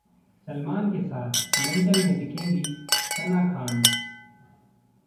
सलमान के साथ ‘मेंटल’ में दिखेंगी सना खान